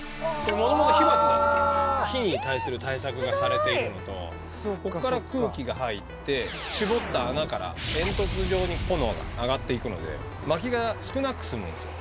もともと火鉢なんで、火に対する対策がされているのと、ここから空気が入って、絞った穴から煙突状に炎が上がっていくので、まきが少なく済むんですよ。